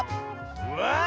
うわ！